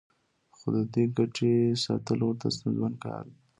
خو د دې ګټې ساتل ورته ستونزمن کار دی